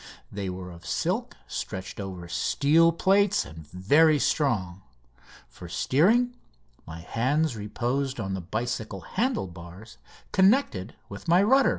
They were of silk, stretched over steel plates, and very strong. For steering, my hands reposed on the bicycle handle bars connected with my rudder.